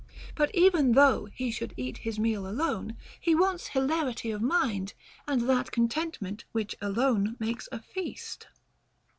But even though he should eat his meal alone, he wants hilarity of mind and that contentment which alone makes a feast.